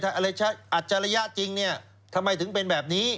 อัจฉริยะจริงทำไมถึงเป็นแบบนี้